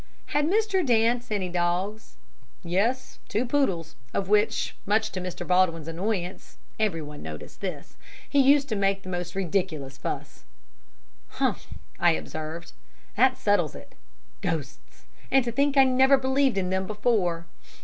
"Had Mr. Dance any dogs?" "Yes two poodles, of which, much to Mr. Baldwin's annoyance (everyone noticed this), he used to make the most ridiculous fuss." "Humph!" I observed. "That settles it! Ghosts! And to think I never believed in them before!